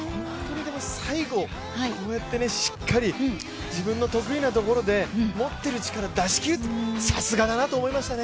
でも最後、こうやってしっかり自分の得意なところで持ってる力を出し切るってさすがだなって思いましたね。